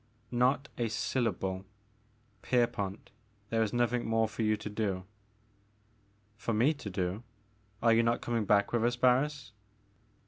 Not a syllable. Pierpont, there is nothing more for you to do.*' For me to do? Are you not coming back with us, Barris?"